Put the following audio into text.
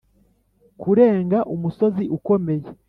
kurenga umusozi ukomeye.